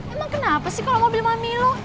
emang kenapa sih kalau mobil mami lo